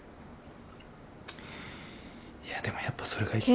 いやでもやっぱそれが。